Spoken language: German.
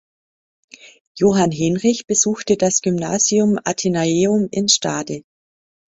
Johann Henrich besuchte das Gymnasium Athenaeum in Stade.